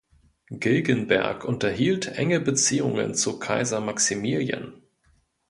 Gilgenberg unterhielt enge Beziehungen zu Kaiser Maximilian.